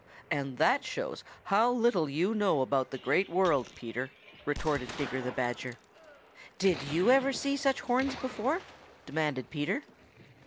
"And that shows how little you know about the Great World, Peter," retorted Digger the Badger. "Did you ever see such horns before?" demanded Peter.